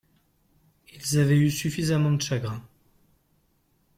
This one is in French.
Ils avaient eu suffisamment de chagrin.